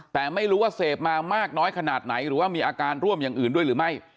แต่ไม่รู้ว่าเสพมามากน้อยขนาดไหนหรือว่ามีอาการร่วมอย่างอื่นด้วยหรือไม่